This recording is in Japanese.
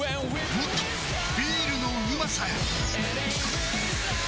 もっとビールのうまさへ！